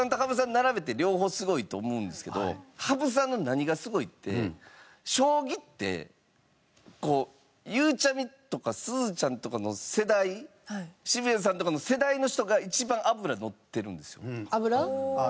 並べて両方すごいと思うんですけど羽生さんの何がすごいって将棋ってこうゆうちゃみとかすずちゃんとかの世代渋谷さんとかの世代の人が一番脂のってるんですよ。